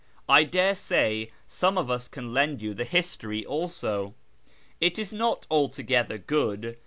I daresay some of us can lend you the History also. It is not altogether good.